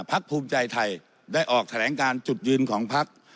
พักภูมิใจไทยได้ออกแถลงการจุดยืนของพัก